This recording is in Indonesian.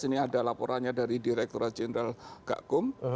ini ada laporannya dari direktur general kak kum